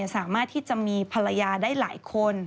สามารถที่จะมีภรรยาได้หลายคน